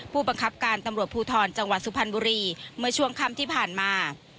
ผู้บังคับการตำรวจภูทรจังหวัดสุพรรณบุรีเมื่อช่วงค่ำที่ผ่านมา